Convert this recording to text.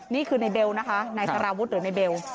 นี่คือในเบลนะคะนายสารวุฒิหรือนายเบล